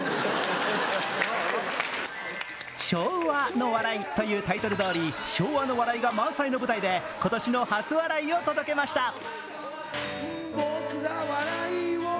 輪の笑い」というタイトルどおり昭和の笑いが満載の舞台で今年の初笑いを届けました。